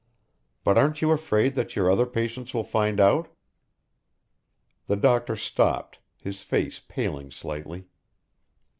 "But aren't you afraid that your other patients will find out?" The doctor stopped, his face paling slightly.